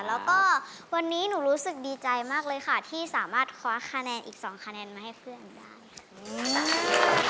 แล้วก็วันนี้หนูรู้สึกดีใจมากเลยค่ะที่สามารถคว้าคะแนนอีกสองคะแนนมาให้เพื่อนได้ค่ะ